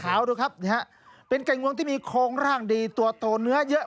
ดูครับเป็นไก่งวงที่มีโครงร่างดีตัวโตเนื้อเยอะ